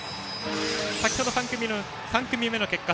先程３組目の結果